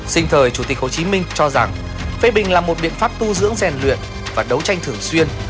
sinh thời chủ tịch hồ chí minh cho rằng phê bình là một biện pháp tu dưỡng rèn luyện và đấu tranh thường xuyên